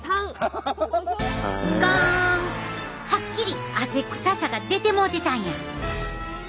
ハッキリ汗臭さが出てもうてたんや！